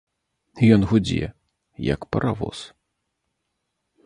Ён гудзе, як паравоз.